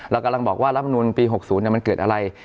เรากำลังบอกว่ารัฐมนุนปีหกศูนย์เนี่ยมันเกิดอะไร